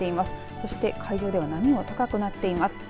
そして海上では波が高くなっています。